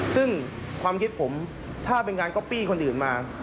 ซึ่งความคิดผมถ้าเป็นงานก๊อปปี้คนอื่นมา